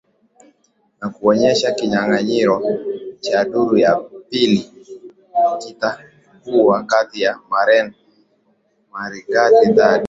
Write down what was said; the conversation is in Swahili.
na kuonyesha kinyanganyiro cha duru la pili kitakuwa kati ya maren marigati dhidi